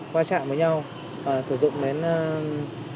va chạm với nhau và sử dụng đến